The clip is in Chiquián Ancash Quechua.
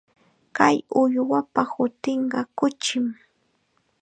Kay uywapa hutinqa kuchim.